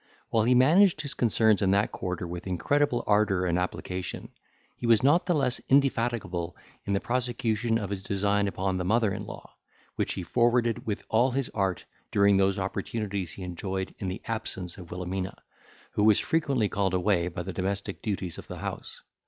While he managed his concerns in that quarter with incredible ardour and application, he was not the less indefatigable in the prosecution of his design upon the mother in law, which he forwarded with all his art during those opportunities he enjoyed in the absence of Wilhelmina, who was frequently called away by the domestic duties of the house.